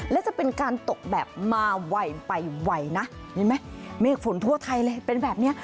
และจะเป็นการตกแบบมาไวไปไวนะเห็นไหมเมฆฝนทั่วไทยเลยเป็นแบบนี้